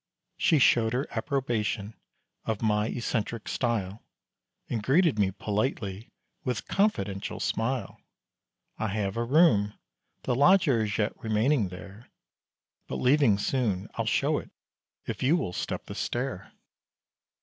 She showed her approbation of my eccentric style, And greeted me politely, with confidential smile, "I have a room, the lodger is yet remaining there, But leaving soon I'll show it, if you will step the stair.